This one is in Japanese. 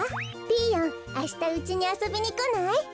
ピーヨンあしたうちにあそびにこない？